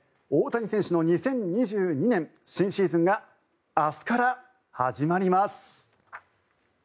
大谷選手の２０２２年新シーズンが明日から始まります。